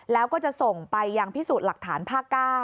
แล้วก็จะส่งไปยังพิสูจน์หลักฐานภาค๙